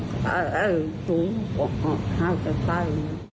๕ก็ได้